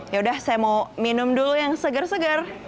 ya udah saya mau minum dulu yang segar segar